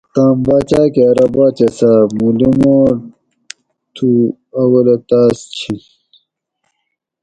تام باچاۤ کہ ارو باچہ صاۤب مُوں لُوماٹ تُھوں اولہ تاۤس چِھن